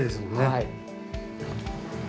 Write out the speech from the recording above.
はい。